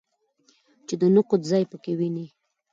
چې د نقد ځای په کې وویني.